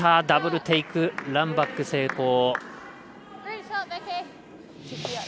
ダブルテイク、ランバック成功。